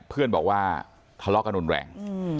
เพื่อนบอกว่าทะเลาะกันรุนแรง